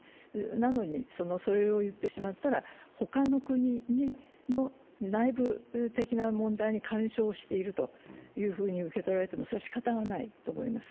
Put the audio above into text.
なのに、それを言ってしまったら他の国の内部的な問題に干渉していると受け取られてもしかたがないと思います。